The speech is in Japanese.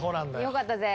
よかったぜ。